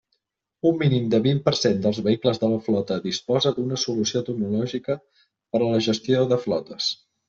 Un mínim del vint per cent dels vehicles de la flota disposa d'una solució tecnològica per a la gestió de flotes.